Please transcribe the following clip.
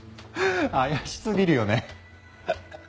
怪しすぎるよね。